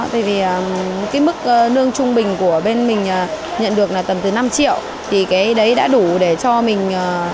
cái mức nương trung bình của bên mình nhận được là tầm từ năm triệu thì cái đấy đã đủ để cho mình